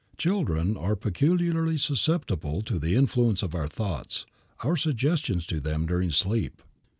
Children are peculiarly susceptible to the influence of our thoughts, our suggestions to them during sleep.